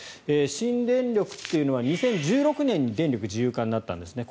新電力というのは２０１６年に電力自由化になったんですね。